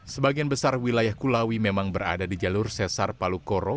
sebagian besar wilayah kulawi memang berada di jalur sesar palu koro